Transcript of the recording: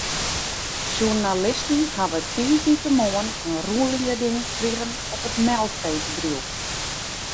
Sjoernalisten hawwe tiisdeitemoarn in rûnlieding krigen op it melkfeebedriuw.